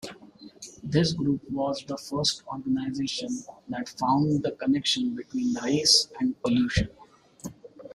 This group was the first organization that found the connection between race and pollution.